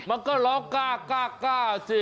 มันก็ร้องกล้าสิ